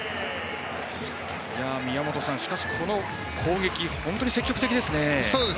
宮本さん、しかし、この攻撃本当に積極的ですね。